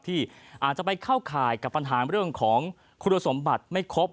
ที่อาจจะไปเข้าข่ายกับปัญหาเรื่องของคุณสมบัติไม่ครบ